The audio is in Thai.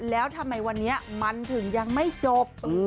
แล้วทำไมวันนี้มันถึงยังไม่จบ